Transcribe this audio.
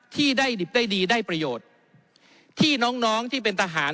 ที่ได้ดิบได้ดีได้ประโยชน์ที่น้องน้องที่เป็นทหาร